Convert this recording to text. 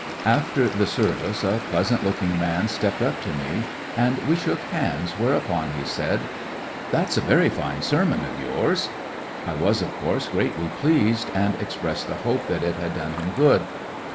After the service, a pleasant looking man Andthetmv stepped up to me, and we shook hands, where upon he said : "That is a very fine sermon of yours." I was, of course, greatly pleased, and ex pressed the hope that it had done him good.